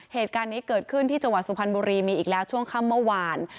เหตุการณ์นี้เกิดขึ้นที่จังหวัดสุพรรณบุรีมีอีกแล้วช่วงค่ำเมื่อวาน